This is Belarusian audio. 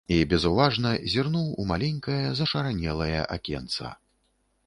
І безуважна зірнуў у маленькае зашаранелае акенца.